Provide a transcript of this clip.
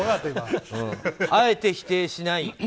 あえて否定しない。